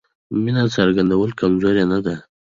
مینه څرګندول کمزوري نه ده.